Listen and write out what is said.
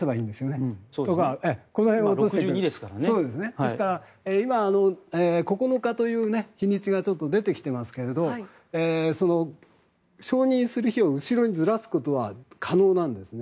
ですから、９日という日にちが出てきていますが承認する日を後ろにずらすことは可能なんですね。